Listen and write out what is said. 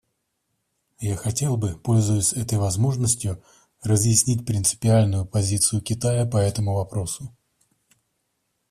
Я хотел бы, пользуясь этой возможностью, разъяснить принципиальную позицию Китая по этому вопросу.